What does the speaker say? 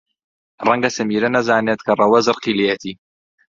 ڕەنگە سەمیرە نەزانێت کە ڕەوەز ڕقی لێیەتی.